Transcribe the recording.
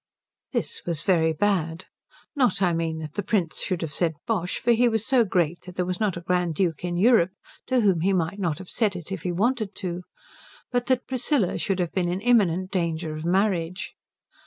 This was very bad. Not, I mean, that the Prince should have said Bosh, for he was so great that there was not a Grand Duke in Europe to whom he might not have said it if he wanted to; but that Priscilla should have been in imminent danger of marriage.